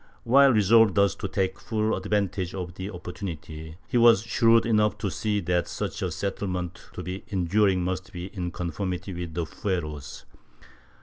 While resolved thus to take full advantage of the opportunity, he was shrewd enough to see that such a settlement to be enduring must be in conformity with the fueros.